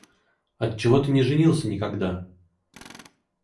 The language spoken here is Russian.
Отчего ты не женился никогда?